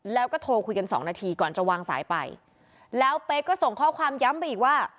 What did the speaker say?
แล้วก็โทรคุยกันสองนาทีก่อนจะวางสายไปแล้วเป๊กก็ส่งข้อความย้ำไปอีกว่า